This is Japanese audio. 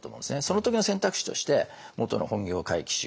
その時の選択肢としてもとの本業回帰しよう。